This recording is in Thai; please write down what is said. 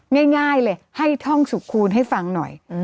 ง่ายเลยให้ท่องสุขคูณให้ฟังหน่อย